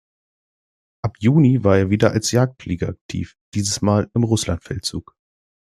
Ab Juni war er wieder als Jagdflieger aktiv, diesmal im Russlandfeldzug.